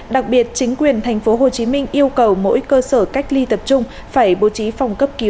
đặc biệt chính quyền tp hcm yêu cầu mỗi cơ sở cách ly tập trung phải bố trí phòng cấp cứu